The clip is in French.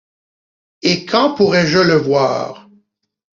Et quand pourrai-je le voir ?